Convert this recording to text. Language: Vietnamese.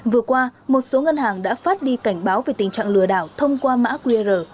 vừa qua một số ngân hàng đã phát đi cảnh báo về tình trạng lừa đảo thông qua mã qr